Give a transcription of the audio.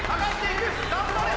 頑張れ！